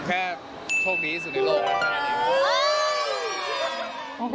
ผมแค่โชคดีสุดในโลก